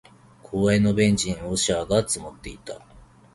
公園のベンチに落ち葉が積もっていた。